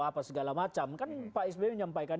apa segala macam kan pak sby menyampaikan